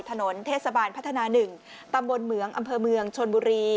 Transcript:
ถนนเทศบาลพัฒนา๑ตำบลเหมืองอำเภอเมืองชนบุรี